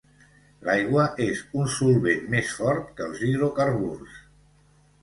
L'aigua és un solvent més fort que els hidrocarburs.